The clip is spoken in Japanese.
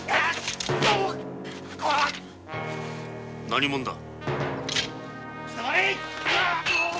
何者だ！